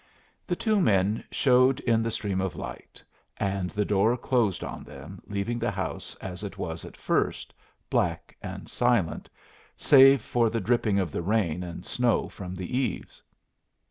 The two men showed in the stream of light, and the door closed on them, leaving the house as it was at first, black and silent, save for the dripping of the rain and snow from the eaves.